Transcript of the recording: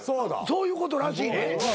そういうことらしいねん。